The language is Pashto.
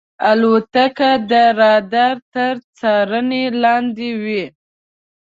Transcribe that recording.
الوتکه د رادار تر څارنې لاندې وي.